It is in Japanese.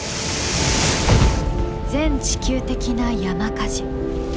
全地球的な山火事。